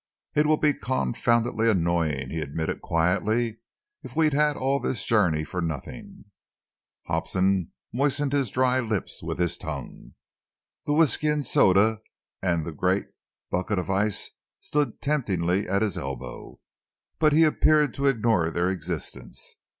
"It will be confoundedly annoying," he admitted quietly, "if we've had all this journey for nothing." Hobson moistened his dry lips with his tongue. The whisky and soda and the great bucket of ice stood temptingly at his elbow, but he appeared to ignore their existence.